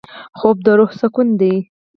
خوب د روح سکون دی